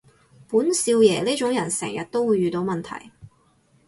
本少爺呢種人成日都會遇到問題